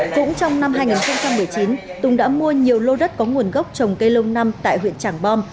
cũng trong năm hai nghìn một mươi chín tùng đã mua nhiều lô đất có nguồn gốc trồng cây lâu năm tại huyện trảng bom